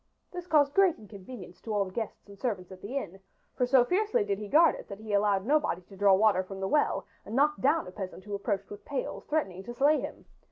This caused great inconvenience to all the guests and servants at the inn, for so fiercely did he guard it that he allowed nobody to draw water from the well and knocked down a peasant who approached with pails, threatening to slay him.